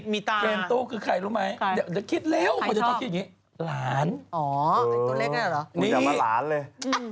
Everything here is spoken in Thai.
มันจะเอามาหลานเลย